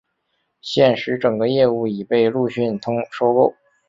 现时整个业务已被路讯通收购。